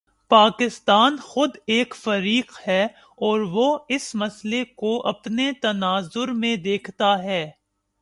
پاکستان خود ایک فریق ہے اور وہ اس مسئلے کو اپنے تناظر میں دیکھتا ہے۔